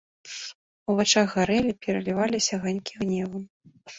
У вачах гарэлі, пераліваліся аганькі гневу.